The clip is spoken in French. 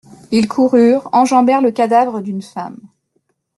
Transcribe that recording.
Ils coururent, enjambèrent le cadavre d'une femme.